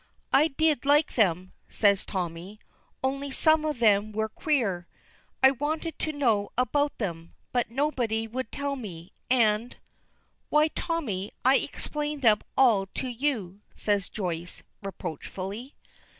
"I did like them," says Tommy. "Only some of them were queer. I wanted to know about them, but nobody would tell me and " "Why, Tommy, I explained them all to you," says Joyce, reproachfully.